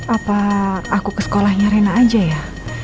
apa aku ke sekolahnya rena aja ya